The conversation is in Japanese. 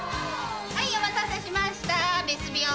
はいお待たせしました！